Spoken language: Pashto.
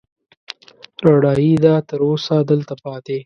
رڼايي يې ده، تر اوسه دلته پاتې